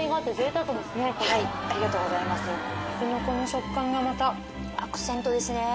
タケノコの食感がまたアクセントですね。